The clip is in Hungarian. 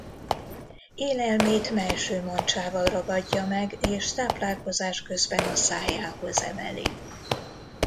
Élelmét mellső mancsával ragadja meg és táplálkozás közben a szájához emeli.